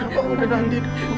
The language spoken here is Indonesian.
tahu bangun nanti